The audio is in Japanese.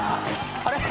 あれ？